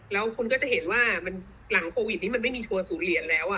แล้วคุณก็จะเห็นว่าหลังโควิดนี้มันไม่มีทัวร์ศูนย์เหรียญแล้ว